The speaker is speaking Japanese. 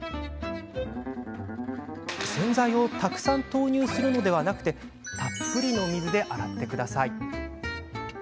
洗剤をたくさん投入するのではなくたっぷりの水で洗いましょう。